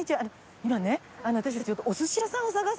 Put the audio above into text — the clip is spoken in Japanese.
今ね私たち。